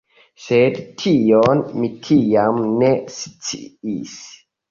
Sed tion mi tiam ne sciis.